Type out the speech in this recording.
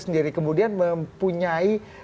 sendiri kemudian mempunyai